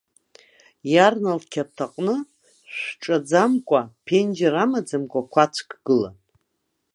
Иарна лқьаԥҭаҟны, шәҿаӡамкәа, ԥенџьыр амаӡамкәа қәацәк гылан.